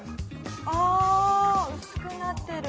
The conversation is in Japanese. あ薄くなってる。